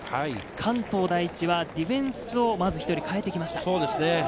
関東第一はディフェンスをまず１人代えてきました。